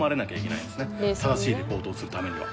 正しいリポートをするためには。